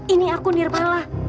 ini aku nirmala